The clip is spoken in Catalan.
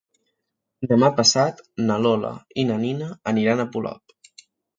Demà passat na Lola i na Nina aniran a Polop.